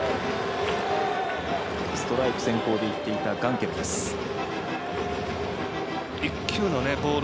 ストライク先行でいっていたガンケル。